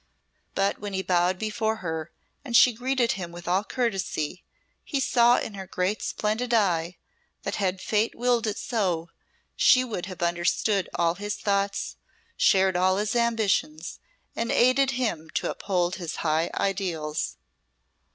But when he bowed before her, and she greeted him with all courtesy, he saw in her great, splendid eye that had Fate willed it so, she would have understood all his thoughts, shared all his ambitions, and aided him to uphold his high ideals.